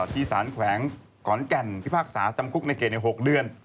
ที่สารแขวงขอนแก่นพิพากษาจำคุกในเกรดใน๖เดือน